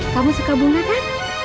kamu suka bunga kan